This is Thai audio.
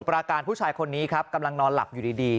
ปราการผู้ชายคนนี้ครับกำลังนอนหลับอยู่ดี